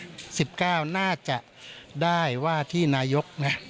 สี่สิบเก้าน่าจะได้ว่าที่นายกนะ